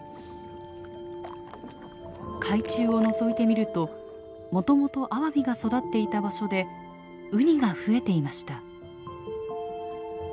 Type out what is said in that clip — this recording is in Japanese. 海中をのぞいてみるともともとアワビが育っていた場所でウニが増えていました。